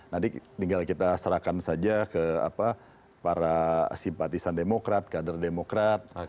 nanti tinggal kita serahkan saja ke para simpatisan demokrat kader demokrat